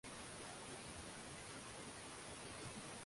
Nakushukuru Baba Bwana wa mbingu na nchi